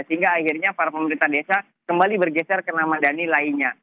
sehingga akhirnya para pemerintah desa kembali bergeser ke nama dhani lainnya